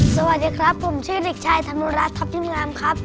สวัสดีครับผมชื่อริษัยธรรมรัฐทัพยิ่งงามครับ